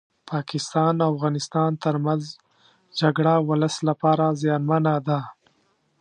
پاکستان او افغانستان ترمنځ جګړه ولس لپاره زيانمنه ده